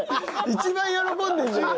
一番喜んでるじゃない。